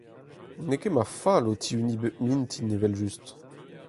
N'eo ket ma fal o tihuniñ bep mintin evel-just.